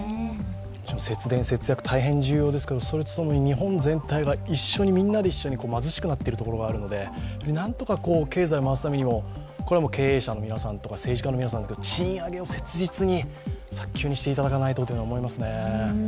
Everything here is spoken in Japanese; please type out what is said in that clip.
節電、節約大変重要ですけども、それとともに日本全体がみんなで一緒に貧しくなっているところがあるのでなんとか経済を回すためにも経営者の皆さんとか政治家の皆さん、賃上げを早急にしていただかないとと思いますね。